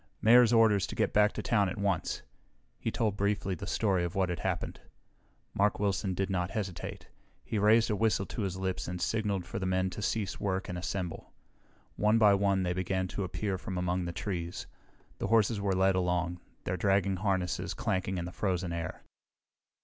"Mayor's orders to get back to town at once." He told briefly the story of what had happened. Mark Wilson did not hesitate. He raised a whistle to his lips and signaled for the men to cease work and assemble. One by one they began to appear from among the trees. The horses were led along, their dragging harnesses clanking in the frozen air.